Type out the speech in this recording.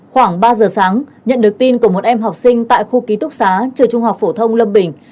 khoảng ba giờ sáng nhận được tin của một em học sinh tại khu ký túc xá trường trung học phổ thông lâm bình